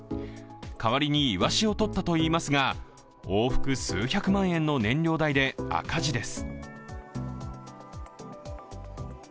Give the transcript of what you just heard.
代わりにいわしをとったといいますが、往復数百万円の燃料代で赤字です。